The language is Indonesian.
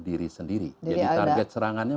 diri sendiri jadi target serangannya